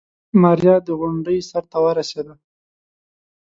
ماريا د غونډۍ سر ته ورسېده.